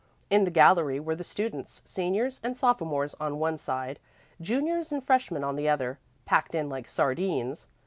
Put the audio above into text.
In the gallery were the students, seniors and sophomores on one side, juniors and freshmen on the other, packed in like sardines.